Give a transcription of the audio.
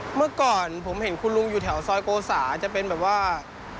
เมื่อก่อนผมเห็นคุณลุงอยู่แถวซอยโกสาจะเป็นแบบว่า